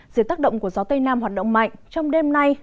dưới tác động của gió tây nam hoạt động mạnh trong đêm nay